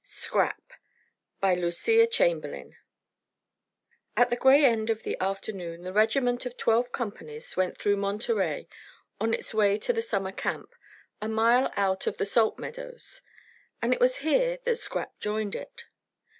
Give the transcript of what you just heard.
SCRAP By Lucia Chamberlain At the gray end of the afternoon the regiment of twelve companies went through Monterey on its way to the summer camp, a mile out on the salt meadows; and it was here that Scrap joined it.